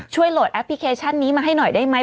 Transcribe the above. โหลดแอปพลิเคชันนี้มาให้หน่อยได้ไหม